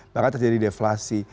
bahkan terjadi deflasi